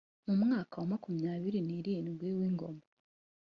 mu mwaka wa makumyabiri n irindwi w ingoma